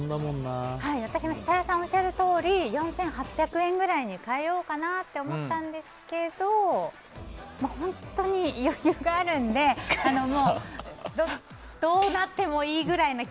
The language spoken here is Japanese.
私も設楽さんおっしゃるように４８００円ぐらいに変えようかなって思ったんですけど本当に余裕があるのでいただき！